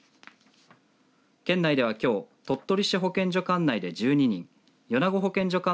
県内では、きょう鳥取市保健所管内で１２人米子保健所